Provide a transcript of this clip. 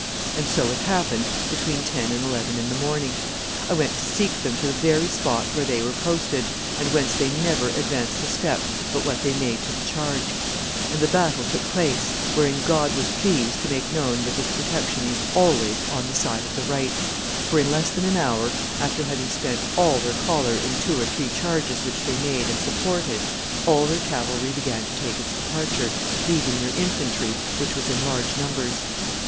And so it happened between ten and eleven in the morning; I went to seek them to the very spot where they were posted, and whence they never advanced a step but what they made to the charge; and the battle took place, wherein God was pleased to make known that His protection is always on the side of the right; for in less than an hour, after having spent all their choler in two or three charges which they made and supported, all their cavalry began to take its departure, leaving their infantry, which was in large numbers.